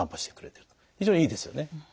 非常にいいですよね。